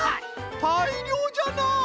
たいりょうじゃな！